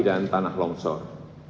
dan tanah longsor